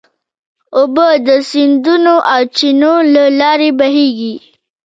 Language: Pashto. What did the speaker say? اوبه د سیندونو او چینو له لارې بهېږي.